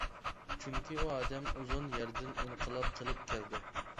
چۈنكى ئۇ ئادەم ئۇزۇن يەردىن ئىنقىلاب قىلىپ كەلدى.